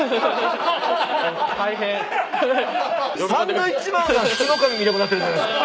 サンドウィッチマンが福の神みたくなってるじゃないですか。